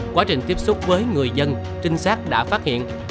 quá trình tiếp xúc với người dân trinh sát đã phát hiện